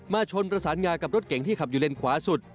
ชนประสานงากับรถเก่งที่ขับอยู่เลนขวาสุด